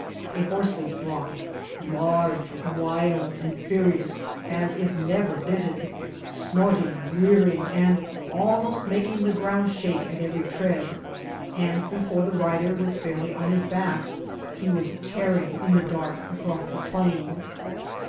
A horse was brought, large, wild, and furious, as if never bitted ; smnrting, rearing, and almost making the ground shake at every tread ; and bdbre the rider was foirly on his back he was tearing in the dark across the plain.